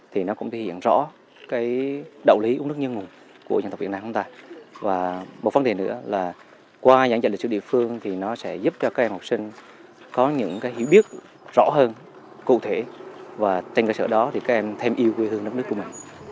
thì nó cũng thể hiện rõ đạo lý uống nước nhân ngùng của nhà tộc việt nam không tài